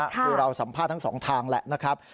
คือเราสัมภาษณ์ทั้งสองทางแหละนะครับ